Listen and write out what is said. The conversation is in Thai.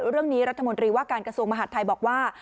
เรื่องนี้รัฐมนตรีว่าการกระทรวงมหาดไทยบอกว่า